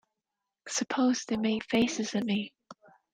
Suppose they make faces at me.